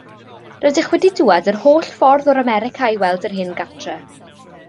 Rydych wedi dŵad yr holl ffordd o'r America i weld yr hen gartre?